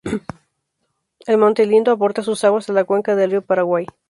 El Monte Lindo aporta sus aguas a la cuenca del río Paraguay.